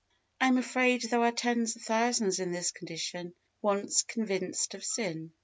I am afraid there are tens of thousands in this condition once convinced of sin.